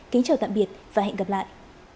kính chào tạm biệt và hẹn gặp lại